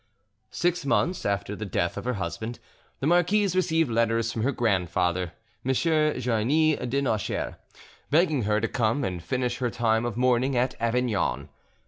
Six months after the death of her husband, the marquise received letters from her grandfather, M. Joannis de Nocheres, begging her to come and finish her time of mourning at Avignon.